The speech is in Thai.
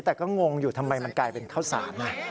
แต่ก็งงอยู่ทำไมมันกลายเป็นข้าวสาร